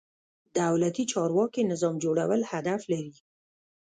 دولتي چارواکي نظام جوړول هدف لري.